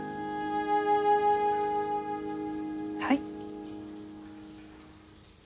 はい。